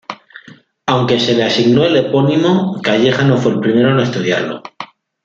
Aunque se le asignó el epónimo, Calleja no fue el primero en estudiarlo.